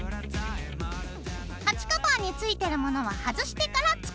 鉢カバーについてるものは外してから作っていくよ。